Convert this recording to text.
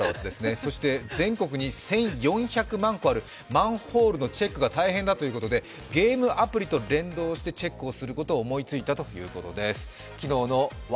そして全国に１４００万個あるマンホールのチェックが大変だということでゲームアプリと連動してチェックすることを思いついたということです。